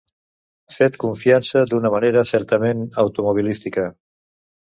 Fet confiança d'una manera certament automobilística.